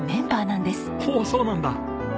おおそうなんだ。